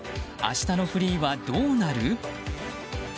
明日のフリーはどうなる？